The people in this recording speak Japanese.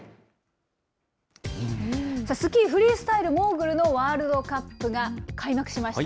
スキーフリースタイルモーグルのワールドカップが開幕しました。